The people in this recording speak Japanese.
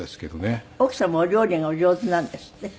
奥様はお料理がお上手なんですって？